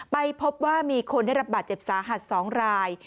ไปพบว่ามีคนได้รับบาดเจ็บสาหัส๒ราย